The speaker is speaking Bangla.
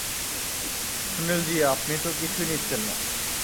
সুনিলজি, আপনি তো কিছুই নিচ্ছেন না?